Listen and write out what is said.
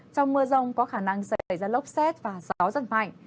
trong mưa rông có khả năng xảy ra lốc xét và gió giật mạnh